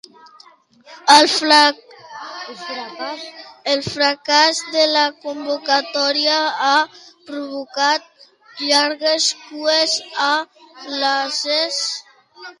El fracàs de convocatòria ha provocat llargues cues a l'accés.